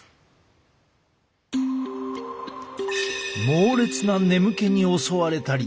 猛烈な眠気に襲われたり。